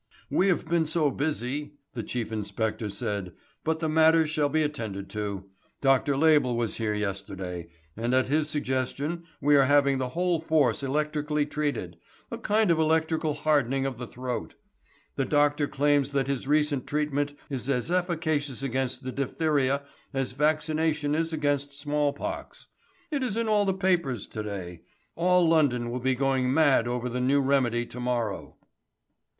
"We have been so busy," the Chief Inspector said; "but the matter shall be attended to. Dr. Label was here yesterday, and at his suggestion we are having the whole force electrically treated a kind of electrical hardening of the throat. The doctor claims that his recent treatment is as efficacious against the diphtheria as vaccination is against smallpox. It is in all the papers to day. All London will be going mad over the new remedy to morrow."